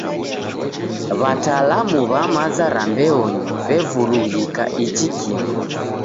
W'atalamu w'a maza ra mbeonyi w'evurughika ichi kimu.